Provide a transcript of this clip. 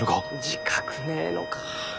自覚ねえのか。